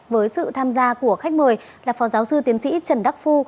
với sự tham gia của khách mời là phó giáo sư tiến sĩ trần đắc phu